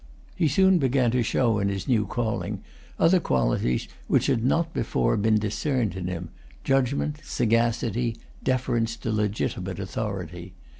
He soon began to show in his new calling other qualities which had not before been discerned in him, judgment, sagacity, deference to legitimate authority.